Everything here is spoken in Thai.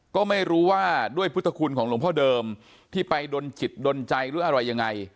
ก็ไม่รู้ว่าด้วยพุทธคุณของหลวงพ่อเดิมที่ไปดนจิตดนใจหรืออะไรยังไง